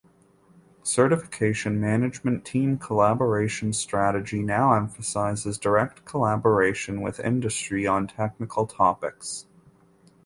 Certification Management Team Collaboration Strategy now emphasizes direct collaboration with industry on technical topics.